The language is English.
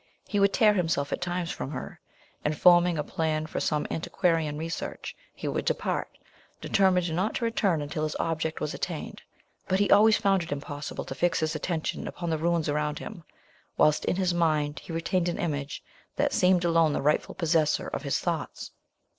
He would tear himself at times from her, and, forming a plan for some antiquarian research, he would depart, determined not to return until his object was attained; but he always found it impossible to fix his attention upon the ruins around him, whilst in his mind he retained an image that seemed alone the rightful possessor of his thoughts.